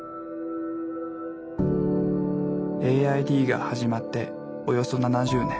ＡＩＤが始まっておよそ７０年。